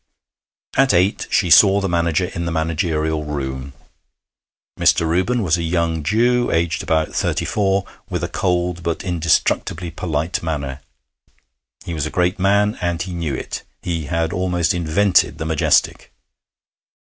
At eight she saw the manager in the managerial room. Mr. Reuben was a young Jew, aged about thirty four, with a cold but indestructibly polite manner. He was a great man, and knew it; he had almost invented the Majestic.